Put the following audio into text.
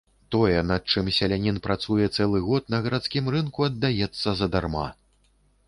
Тое, над чым селянін працуе цэлы год, на гарадскім рынку аддаецца задарма.